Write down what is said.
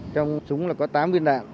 trong súng là có tám viên đạn